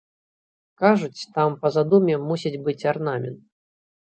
Кажуць, там па задуме мусіць быць арнамент.